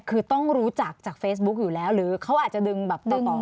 คือต้องรู้จักจากเฟซบุ๊กอยู่แล้วหรือเขาอาจจะดึงแบบตัวต่อ